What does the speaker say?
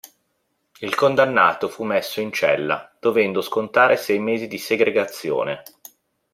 Il condannato fu messo in cella, dovendo scontare sei mesi di segregazione.